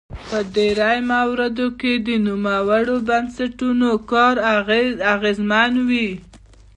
په ډیری مواردو کې د نوموړو بنسټونو کار اغیزمن وي.